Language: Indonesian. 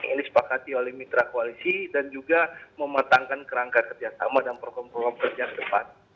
ini sepakat diolah mitra koalisi dan juga mematangkan kerangka kerjasama dan perkomunikasi ke depan